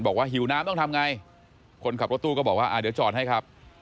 หิวน้ำต้องทำไงคนขับรถตู้ก็บอกว่าเดี๋ยวจอดให้ครับ